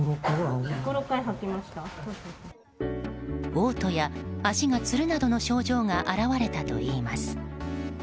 嘔吐や足がつるなどの症状が現れたといいます。